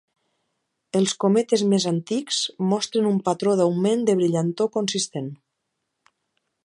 Els cometes més antics mostren un patró d'augment de brillantor consistent.